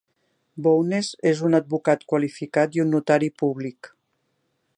Bowness és un advocat qualificat i un notari públic.